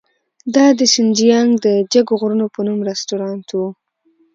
دا د شینجیانګ د جګو غرونو په نوم رستورانت و.